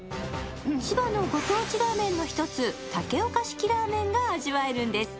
千葉のご当地ラーメンの１つ竹岡式ラーメンが味わえるんです。